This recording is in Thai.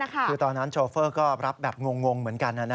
คือตอนนั้นโชเฟอร์ก็รับแบบงงเหมือนกัน